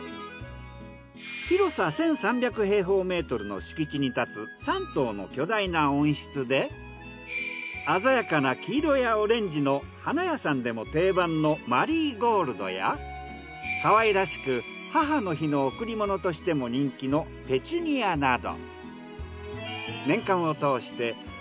広さ１，３００平方メートルの敷地に建つ３棟の巨大な温室で鮮やかな黄色やオレンジの花屋さんでも定番のマリーゴールドやかわいらしく母の日の贈り物としても人気のペチュニアなど。